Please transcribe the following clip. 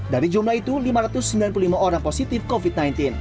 dari jumlah itu lima ratus sembilan puluh lima orang positif covid sembilan belas